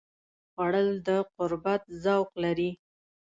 خوړل د قربت ذوق لري